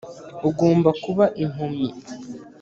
ugomba kuba impumyi